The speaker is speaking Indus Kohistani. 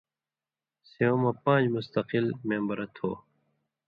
سیوں مہ پان٘ژ مُستقل مېمبرہ تھو